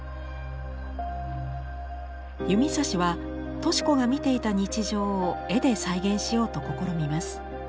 弓指は敏子が見ていた日常を絵で再現しようと試みます。